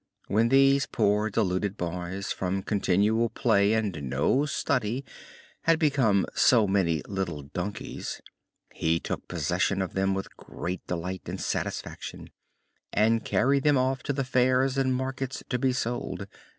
When these poor, deluded boys, from continual play and no study, had become so many little donkeys, he took possession of them with great delight and satisfaction, and carried them off to the fairs and markets to be sold.